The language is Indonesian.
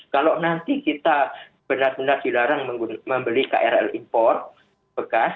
kalau nanti kita benar benar dilarang membeli krl impor bekas